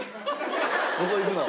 どこ行くの？